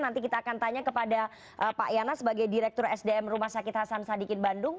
nanti kita akan tanya kepada pak yana sebagai direktur sdm rumah sakit hasan sadikin bandung